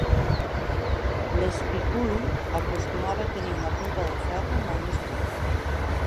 L'"spiculum" acostumava a tenir una punta de ferro molt més curta.